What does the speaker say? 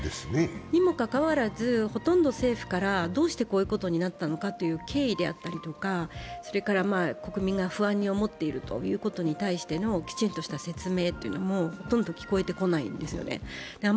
にもかかわらず、ほとんど政府からどうしてこういうことになったのかという経緯ですとか国民が不安に持っているということに対してのきちんとした説明というのもほとんど聞こえてこないんですね。